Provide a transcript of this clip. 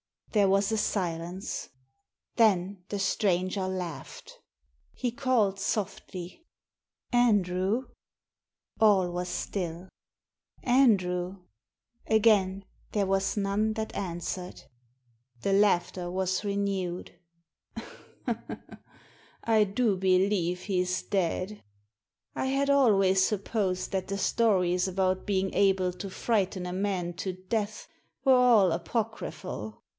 There was a silence. Then the stranger laughed. He called softly — •'Andrew!" All was still. "Andrew!" Again Digitized by VjOOQIC A PSYCHOLOGICAL EXPERIMENT 17 there was none that answered. The laughter was renewed. " I do believe he's dead. I had always supposed that the stories about being able to frighten a man to death were all apocryphal.